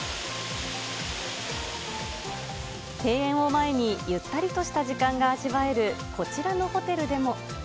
庭園を前に、ゆったりとした時間が味わえるこちらのホテルでも。